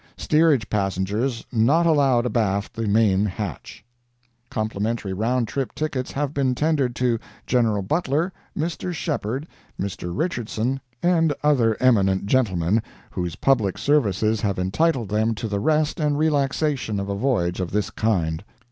Steerage passengers not allowed abaft the main hatch. Complimentary round trip tickets have been tendered to General Butler, Mr. Shepherd, Mr. Richardson, and other eminent gentlemen, whose public services have entitled them to the rest and relaxation of a voyage of this kind.